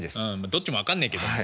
どっちも分かんねえけども。